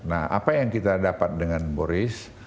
nah apa yang kita dapat dengan boris